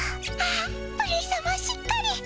あっプリンさましっかり！